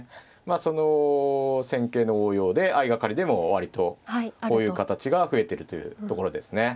その戦型の応用で相掛かりでも割とこういう形が増えてるというところですね。